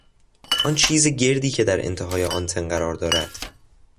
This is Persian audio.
آن چیز گردی که در انتهای آنتن قرار دارد